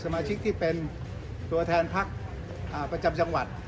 สมาชิกที่เป็นตัวแทนพักประจำจังหวัด